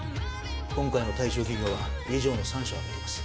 今回の対象企業は以上の３社を挙げています。